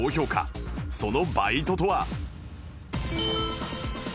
そのバイトとは